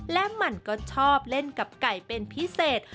และมันก็ชอบเล่นกับไก่เป็นพิเศษ